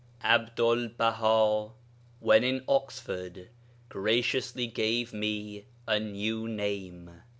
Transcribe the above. Abdu'l Baha (when in Oxford) graciously gave me a 'new name.'